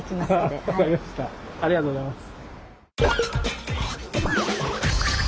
ありがとうございます。